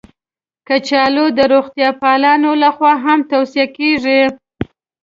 کچالو د روغتیا پالانو لخوا هم توصیه کېږي